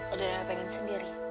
adriana pengen sendiri